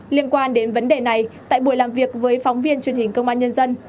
liên quan đến vấn đề này tại buổi làm việc với phóng viên truyền hình công an nhân dân